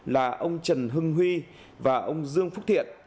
là ông trần hưng huy và ông dương phúc thiện